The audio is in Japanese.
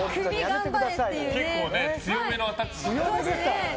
結構強めのアタックでしたね。